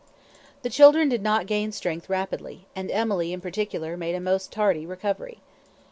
The children did not gain strength rapidly, and Emily in particular made a most tardy recovery.